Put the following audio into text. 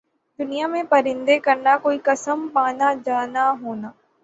دنیا میں پرند کرنا کوئی قسم پانا جانا ہونا